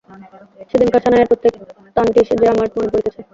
সেদিনকার সানাইয়ের প্রত্যেক তানটি যে আমার মনে পড়িতেছে।